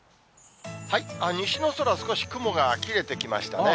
西の空、少し雲が切れてきましたね。